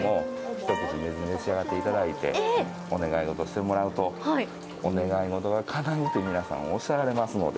一口お水、召し上がっていただいてお願い事してもらうとお願い事がかなうて皆さんおっしゃられますので。